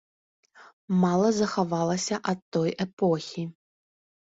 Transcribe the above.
Мала захавалася ад той эпохі.